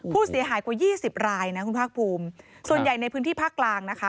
ผู้เสียหายกว่า๒๐รายนะคุณพ่อพุมส่วนใหญ่ในพื้นที่ภาคกลางนะคะ